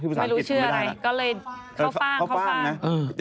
ไม่รู้ชื่ออะไรก็เลยเข้าฟ่างเข้าฟ่าง